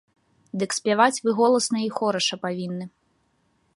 Дык спяваць вы голасна й хораша павінны.